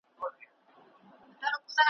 ږغ ته د زمري به د ګیدړو ټولۍ څه وايی,